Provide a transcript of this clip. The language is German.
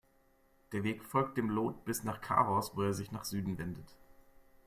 Der Weg folgt dem Lot bis nach Cahors, wo er sich nach Süden wendet.